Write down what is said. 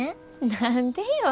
何でよ。